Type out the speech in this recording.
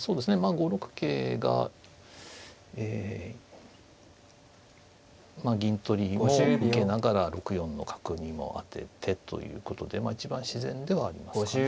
５六桂がえ銀取りも受けながら６四の角にも当ててということで一番自然ではありますかね。